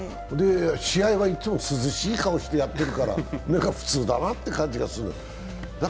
試合はいつも涼しい顔してやってるから、普通だなって感じがするんだ。